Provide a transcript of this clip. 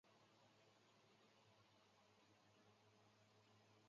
分权的目的在于避免独裁者的产生。